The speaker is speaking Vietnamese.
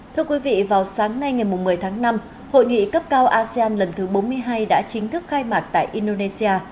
thưa quý vị vào sáng nay ngày một mươi tháng năm hội nghị cấp cao asean lần thứ bốn mươi hai đã chính thức khai mạc tại indonesia